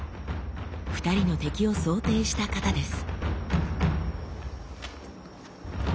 ２人の敵を想定した形です。